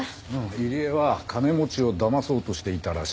入江は金持ちをだまそうとしていたらしい。